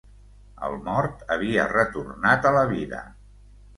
El mort havia retornat a la vida.